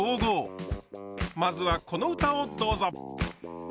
まずはこの歌をどうぞ。